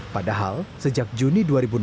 padahal sejak juni dua ribu enam belas